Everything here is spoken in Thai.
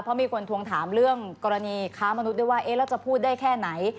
เพราะมีคนทวงถามเรื่องกรณีค้ามนุษย์ด้วยว่าเอ๊ะแล้วจะพูดได้แค่ไหน